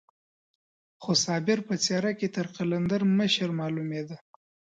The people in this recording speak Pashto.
خو صابر په څېره کې تر قلندر مشر معلومېده.